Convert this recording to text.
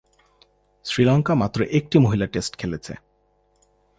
শ্রীলঙ্কা মাত্র একটি মহিলা টেস্ট খেলেছে।